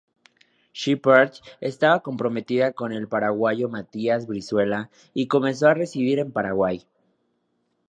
Sheppard estaba comprometida con el paraguayo Matías Brizuela y comenzó a residir en Paraguay.